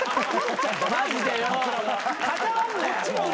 マジでよ関わんなもう。